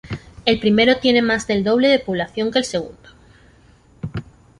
El primero tiene más del doble de población que el segundo.